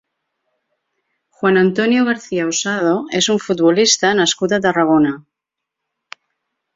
Juan Antonio García Osado és un futbolista nascut a Tarragona.